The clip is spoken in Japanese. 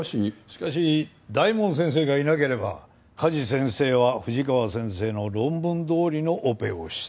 しかし大門先生がいなければ加地先生は富士川先生の論文どおりのオペをしていた。